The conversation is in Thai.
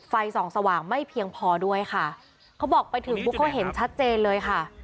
ไฟส่องสว่างไม่เพียงพอด้วยค่ะเขาบอกไปถึงปุ๊บเขาเห็นชัดเจนเลยค่ะ